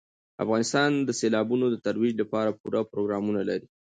افغانستان د سیلابونو د ترویج لپاره پوره پروګرامونه لري.